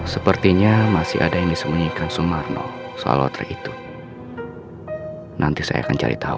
sepertinya masih ada yang disembunyikan sumarno soal water itu nanti saya akan cari tahu